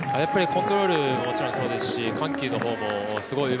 コントロールはもちろんそうですし緩急もすごい。